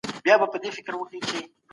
ډيجيټلي نقشې سفر پلان اسانه کوي.